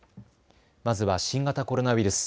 まずは新型コロナウイルス。